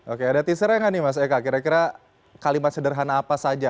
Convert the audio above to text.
oke ada teasernya nggak nih mas eka kira kira kalimat sederhana apa saja